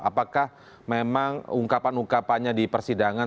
apakah memang ungkapan ungkapannya di persidangan